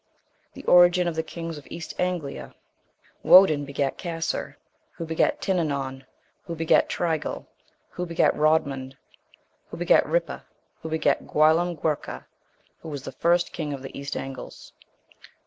THE ORIGIN OF THE KINGS OF EAST ANGLIA. 59. Woden begat Casser, who begat Titinon, who begat Trigil, who begat Rodmunt, who begat Rippa, who begat Guillem Guercha,* who was the first king of the East Angles.